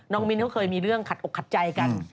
มิ้นเขาเคยมีเรื่องขัดอกขัดใจกัน